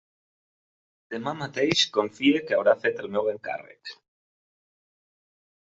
Demà mateix confie que haurà fet el meu encàrrec.